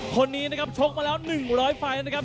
สวัสดีครับสวัสดีครับ